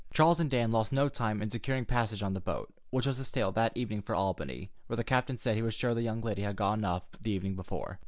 Charles and Dan lost no time in securing passage on the boat, which was to sail that evening for Albany, where the captain said he was sure the young lady had gotten off the evening before.